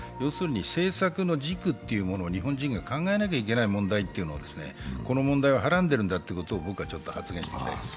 政策の軸というものを日本人が考えなければいけないということ、この問題ははらんでいるんだということを僕は発言したいです。